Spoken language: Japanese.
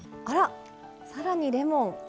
あら更にレモン。